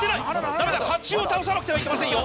ダメだ甲冑を倒さなくてはいけませんよ。